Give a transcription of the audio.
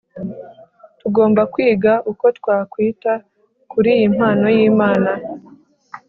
tugomba kwiga uko twakwita kuri iyi mpano y'imana